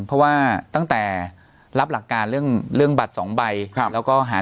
เพราะว่าตั้งแต่รับหลักการเรื่องเรื่องบัตรสองใบแล้วก็หา